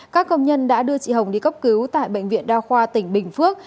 các công nhân đã đưa chị hồng đi cấp cứu tại bệnh viện đa khoa tỉnh bình phước